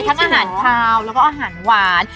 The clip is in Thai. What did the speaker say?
ทั้งอาหารคาวแล้วก็อาหารหวาน